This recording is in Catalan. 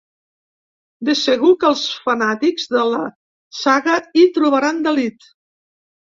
De segur que els fanàtics de la saga hi trobaran delit.